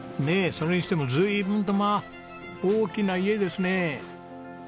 ねえそれにしても随分とまあ大きな家ですねえ。